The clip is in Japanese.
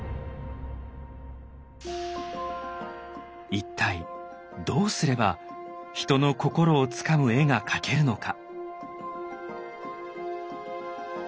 一体どうすれば人の心をつかむ絵が描けるのか。